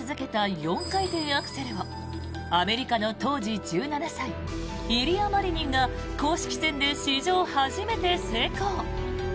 ４回転アクセルをアメリカの当時１７歳イリア・マリニンが公式戦で史上初めて成功。